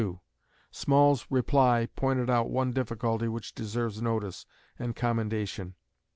Small's reply pointed out one difficulty which deserves notice and commendation.